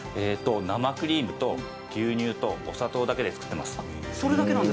生クリームと牛乳とお砂糖だけで作っています。